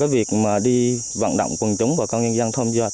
việc đi văn động quân chống và con nhân dân thông dựa